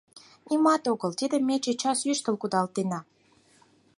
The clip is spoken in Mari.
— Нимат огыл, тидым ме чечас ӱштыл кудалтена.